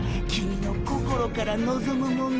ボクの心から望むもの。